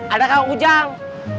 ada kang ujang